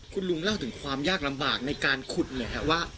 คุณลุงเล่าถึงความยากลำบากในการขุดเลยครับว่า